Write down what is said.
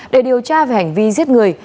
để điều tra về hành vi giết người